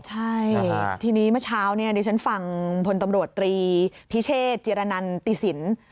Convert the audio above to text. ใช่ทีนี้เมื่อเช้าเนี่ยดิฉันฟังพลตำรวจตรีพิเชษจิรนันติศิลป์